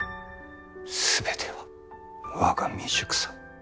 全ては我が未熟さ。